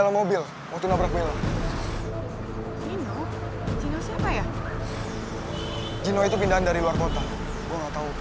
sampai jumpa di video selanjutnya